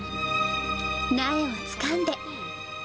苗をつかんで。